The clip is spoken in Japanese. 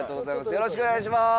よろしくお願いします！